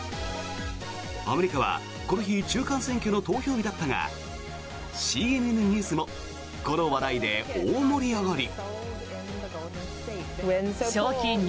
アメリカはこの日中間選挙の投票日だったがＣＮＮニュースもこの話題で大盛り上がり。